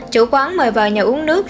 chủ quán mời vào nhà uống nước